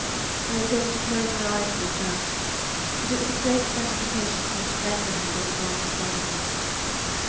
I was able to close her eyes myself, and it was a great gratification to me to render her those last services.